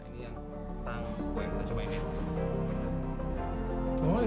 nah ini yang tangan kue kita cobain ya